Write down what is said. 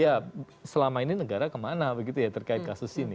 ya selama ini negara kemana begitu ya terkait kasus ini